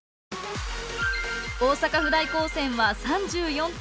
大阪府大高専は３４点。